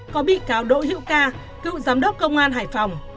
có bị cáo đỗ hữu ca cựu giám đốc công an hải phòng